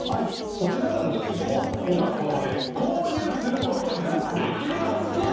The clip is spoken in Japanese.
こちらなんですけども、今その場で購入することができます！